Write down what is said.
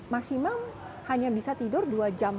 maksimal hanya bisa tidur dua jam